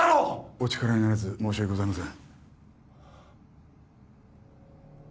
お力になれず申し訳ございません